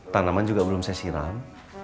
tanaman juga belum saya siram